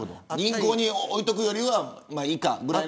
銀行に置いとくよりはいいか、ぐらい。